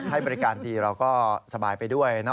ให้บริการดีเราก็สบายไปด้วย